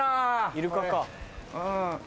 イルカか。